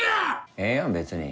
ええやん別に。